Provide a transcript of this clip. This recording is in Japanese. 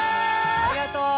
ありがとう！